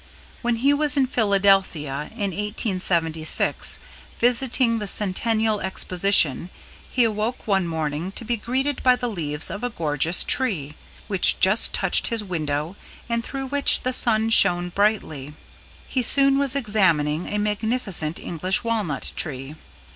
When he was in Philadelphia in 1876 visiting the Centennial Exposition, he awoke one morning to be greeted by the leaves of a gorgeous tree, which just touched his window and through which the sun shone brightly. He soon was examining a magnificent English Walnut tree.